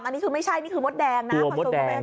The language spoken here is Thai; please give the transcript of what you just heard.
อันนี้คือไม่ใช่นี่คือมดแดงนะผสม